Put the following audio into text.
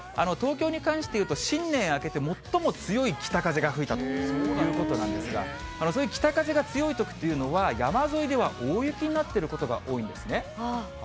東京に関していうと、新年明けて最も強い北風が吹いたということなんですが、そういう北風が強いときというのは、山沿いでは大雪になっていることが多いんですね。